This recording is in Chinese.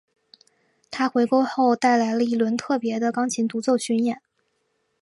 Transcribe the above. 她回归后带来了一轮特别的钢琴独奏巡演。